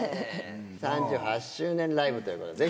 ３８周年ライブということで。